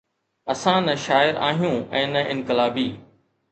اسان نه شاعر آهيون ۽ نه انقلابي.